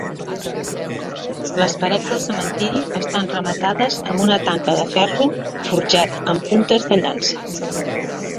Les parets del cementiri estan rematades amb una tanca de ferro forjat amb puntes de llança.